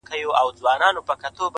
څوك به وران كي د ازل كښلي خطونه؛